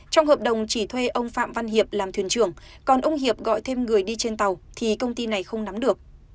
trong hợp đồng chỉ thuê ông phạm văn hiệp làm thuyền trưởng còn ông hiệp gọi thêm người đi trên tàu thì công ty này không nắm được